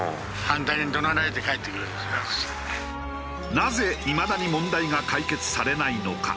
なぜいまだに問題が解決されないのか？